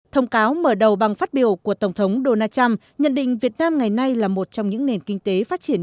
thông cáo mở đầu bằng phát biểu của tổng thống donald trump nhận định việt nam ngày nay là một trong những nền kinh tế phát triển